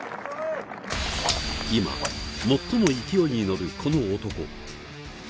今、最も勢いに乗る、この男。